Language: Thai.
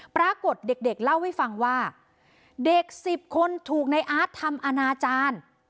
ปรากฏเด็กเล่าให้ฟังว่าเด็ก๑๐คนถูกในอาร์ตทำอนาจารย์